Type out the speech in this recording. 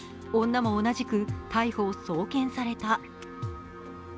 女も同じく逮捕・送検された。